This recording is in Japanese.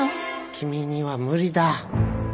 君には無理だ。